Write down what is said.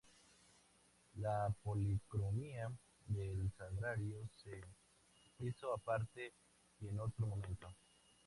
La policromía del sagrario se hizo aparte y en otro momento.